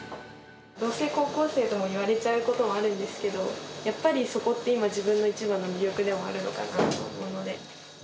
どうせ高校生なんてって言われちゃうこともあるんですけど、やっぱりそこって今、自分の一番の魅力でもあるのかなと思うので。